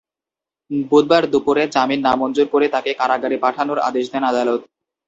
বুধবার দুপুরে জামিন নামঞ্জুর করে তাঁকে কারাগারে পাঠানোর আদেশ দেন আদালত।